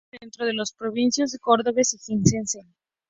Discurre siempre dentro de las provincias cordobesa y jienense.